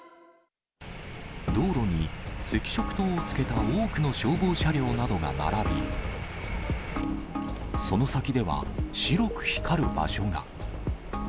道路に赤色灯をつけた多くの消防車両などが並び、その先では、白く光る場所が。